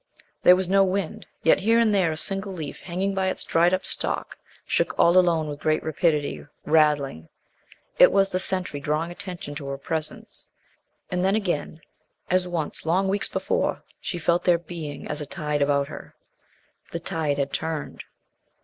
There was no wind, yet here and there a single leaf hanging by its dried up stalk shook all alone with great rapidity rattling. It was the sentry drawing attention to her presence. And then, again, as once long weeks before, she felt their Being as a tide about her. The tide had turned.